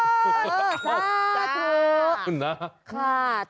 ขอบคุณนะ